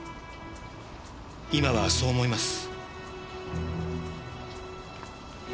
今はそう思います。